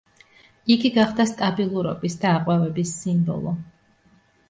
იგი გახდა სტაბილურობის და აყვავების სიმბოლო.